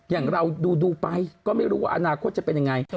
อย่างเราดูไปก็ไม่รู้ว่าอนาคตจะเป็นยังไง